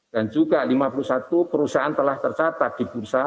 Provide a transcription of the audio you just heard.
dan juga lima puluh satu perusahaan telah tercatat di bursa